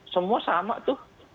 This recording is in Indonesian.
semua sama tuh